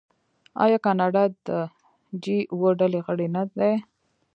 آیا کاناډا د جي اوه ډلې غړی نه دی؟